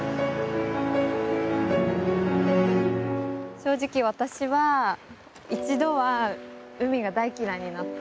正直私は一度は海が大嫌いになった。